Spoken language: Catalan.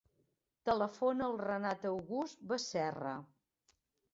Telefona al Renat August Becerra.